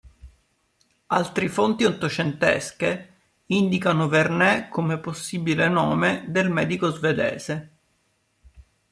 Altre fonti ottocentesche indicano "Vernet" come possibile nome del medico svedese.